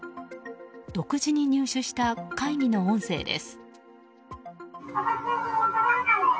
独自に入手した会議の音声です。